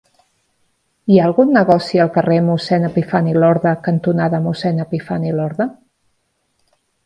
Hi ha algun negoci al carrer Mossèn Epifani Lorda cantonada Mossèn Epifani Lorda?